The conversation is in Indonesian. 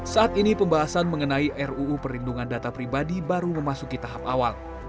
saat ini pembahasan mengenai ruu perlindungan data pribadi baru memasuki tahap awal